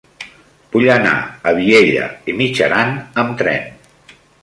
Vull anar a Vielha e Mijaran amb tren.